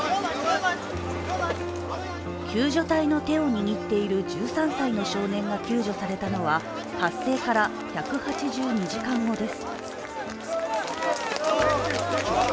救助隊の手を握っている１３歳の少年が救助されたのは、発生から１８２時間後です。